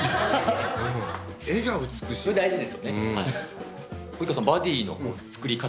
それ大事ですよね。